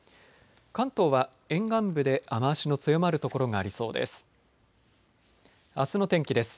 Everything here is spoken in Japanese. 関東は沿岸部で雨足の強まる所がありそうです。